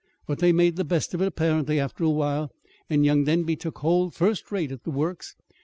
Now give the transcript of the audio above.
But they made the best of it, apparently, after a while, and young Denby took hold first rate at the Works.